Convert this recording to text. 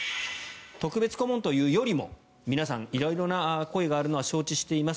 特別顧問というよりも皆さん色々な声があるのは承知しています。